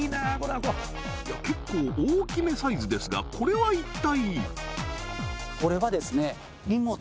結構大きめサイズですがこれは一体？